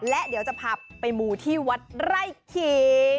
และเดี๋ยวจะพาไปมูที่วัดไร่ขิง